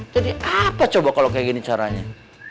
jadi apa coba kalau kayak gini caranya